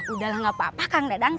udahlah nggak apa apa kang dadang